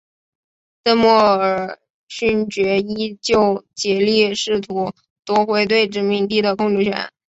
邓莫尔勋爵依旧竭力试图夺回对殖民地的控制权。